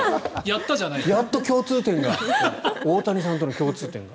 やっと大谷さんとの共通点が。